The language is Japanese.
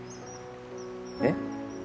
えっ？